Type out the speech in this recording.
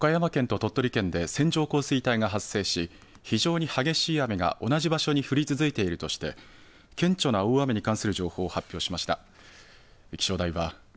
気象台は岡山県と鳥取県で線状降水帯が発生し非常に激しい雨が同じ場所に降り続いているとして顕著な大雨に関する情報を発表しました。